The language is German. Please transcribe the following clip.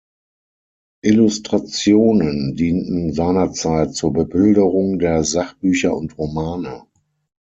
Illustrationen dienten seinerzeit zur Bebilderung der Sachbücher und Romane.